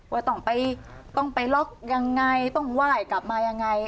ว่าต้องไปล็อกยังไงต้องไหว้กลับมายังไง